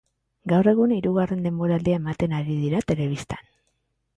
Gaur egun, hirugarren denboraldia ematen ari dira telebistan.